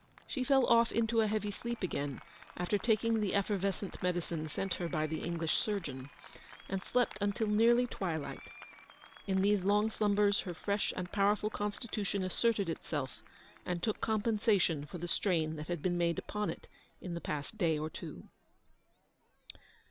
She fell off into a heavy sleep again, after taking the effervescent medicine sent her by the English surgeon, and slept until nearly twilight. In these long slumbers her fresh and powerful constitution asserted itself, and took GOOD SA^IAKITANS. 158 compensation for the strain that had been made upon it in the past day or two.